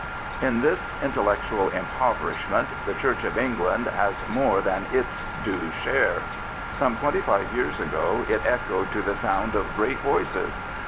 In this intellectual impoverishment the Church of England has more than its due share. Some twenty five years ago it echoed to the sound of great voices.